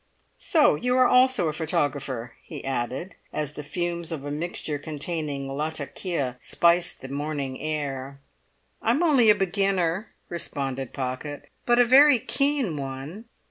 So you are also a photographer!" he added, as the fumes of a mixture containing latakia spiced the morning air. "I am only a beginner," responded Pocket, "but a very keen one."